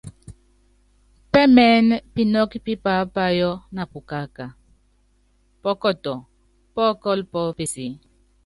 Pɛ́mɛɛ́nɛ pinɔ́kɔ́ pí paápayɔ́ na pukaaka, pɔkɔtɔ, pɔ́kɔ́lɔ pɔ́ peseé.